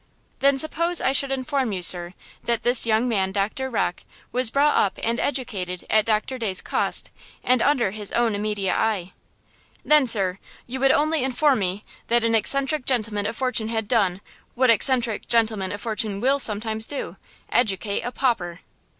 "Then suppose I should inform you, sir, that this young man, Doctor Rocke, was brought up and educated at Doctor Day's cost and under his own immediate eye?" "Then, sir, you would only inform me that an eccentric gentleman of fortune had done–what eccentric gentlemen of fortune will sometimes do–educate a pauper."